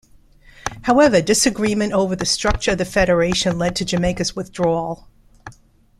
However, disagreement over the structure of the federation led to Jamaica's withdrawal.